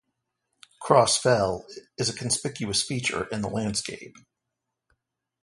Cross Fell is a conspicuous feature in the landscape.